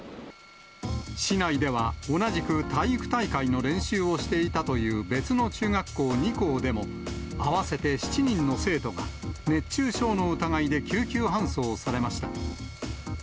市内では同じく体育大会の練習をしていたという別の中学校２校でも、合わせて７人の生徒が熱中症の疑いで救急搬送されました。